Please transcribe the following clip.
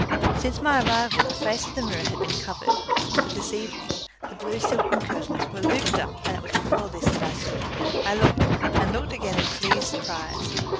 Since my arrival the face of the mirror had been covered, but this evening the blue silken curtains were looped up, and it was before this that I stood. I looked, and looked again in pleased surprise.